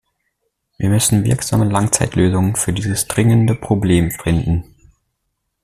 Wir müssen wirksame Langzeitlösungen für dieses dringende Problem finden.